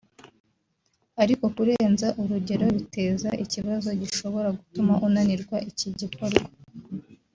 ariko kurenza urugero biteza ikibazo gishobora gutuma unanirwa iki gikorwa